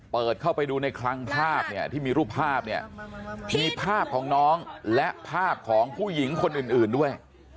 เปิดเข้าไปดูในคลังภาพเนี่ยที่มีรูปภาพเนี่ยมีภาพของน้องและภาพของผู้หญิงคนอื่นด้วย